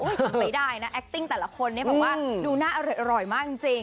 อุ้ยกรรมไปได้นะแอกติ้งแต่ละคนนี่แบบว่าดูน่าไม่ร้อยอร่อยมากจริงจริง